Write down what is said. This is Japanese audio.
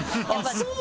そう？